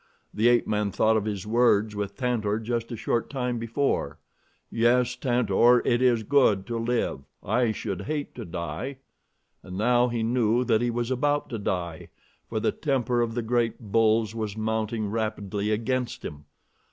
The ape man thought of his words with Tantor just a short time before: "Yes, Tantor, it is good to live. I should hate to die." And now he knew that he was about to die, for the temper of the great bulls was mounting rapidly against him.